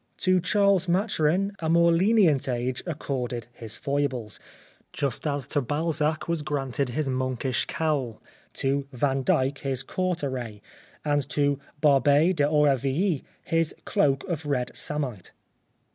To Charles Maturin a more lenient age accorded his foibles, just as to Balzac was granted his monkish cowl, to Van Dyck his court array, and to Barbey d'Aurevilly his cloak of red samite.